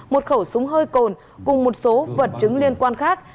một khẩu súng hơi cồn cùng một số vật chứng liên quan khác